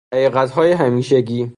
حقیقتهای همیشگی